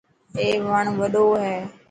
اي وڻ وڏو هي.